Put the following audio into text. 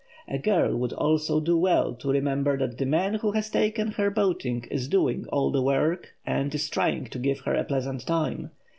A girl would also do well to remember that the man who has taken her boating is doing all the work and is trying to give her a pleasant time.